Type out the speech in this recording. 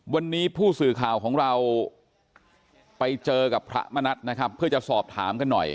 วันนี้ผู้สื่อข่าวของเราไปเจอกับพระมณัฐนะครับเพื่อจะสอบถามกันหน่อย